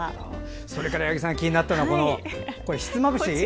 それから八木さん気になったのは、ひつまぶし。